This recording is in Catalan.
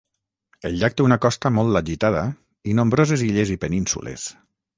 El llac té una costa molt agitada i nombroses illes i penínsules.